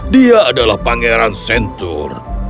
dia adalah pangeran sentur